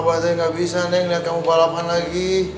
abah tadi gak bisa neng liat kamu palapan lagi